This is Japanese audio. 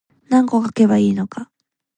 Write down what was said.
何個書けばいいのか